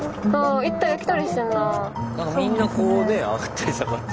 何かみんなこうね上がったり下がったり。